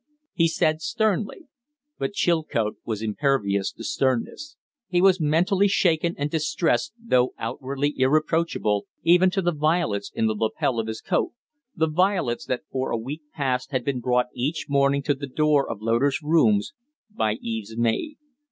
he said, sternly. But Chilcote was impervious to sternness. He was mentally shaken and distressed, though outwardly irreproachable, even to the violets in the lapel of his coat the violets that for a week past had been brought each morning to the door of Loder's rooms by Eve's maid.